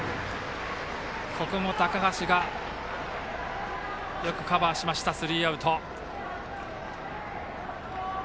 ここも高橋がよくカバーしてスリーアウト。